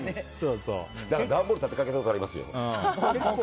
だから段ボールを立てかけたことありますよ。